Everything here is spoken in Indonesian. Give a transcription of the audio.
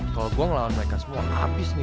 kalau gue ngelawan mereka semua abis nih gue